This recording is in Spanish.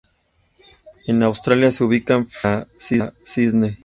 En Australia se ubican frente a Sídney.